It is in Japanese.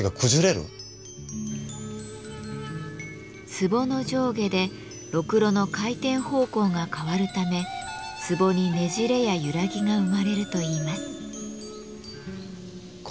壺の上下でろくろの回転方向が変わるため壺にねじれや揺らぎが生まれるといいます。